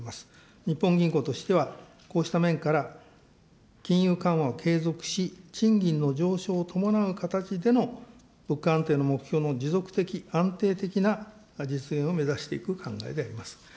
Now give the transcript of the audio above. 日本銀行としては、こうした面から金融緩和を継続し、賃金の上昇を伴う形での物価安定の目標の持続的、安定的な実現を目指していく考えであります。